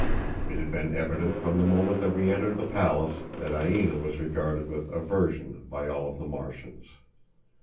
It had been evident from the moment that we entered the palace that Aina was regarded with aversion by all of the Martians.